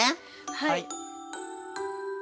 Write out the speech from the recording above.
はい！